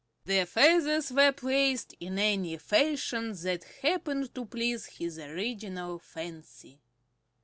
The feathers were placed in any fashion that happened to please his original fancy.